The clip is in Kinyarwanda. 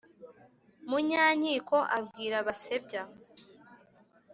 Munyankiko abwira Basebya